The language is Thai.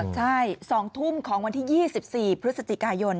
ใช่๒ทุ่มของวันที่๒๔พฤศจิกายน